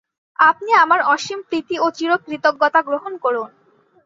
আপনি আমার অসীম প্রীতি ও চিরকৃতজ্ঞতা গ্রহণ করুন।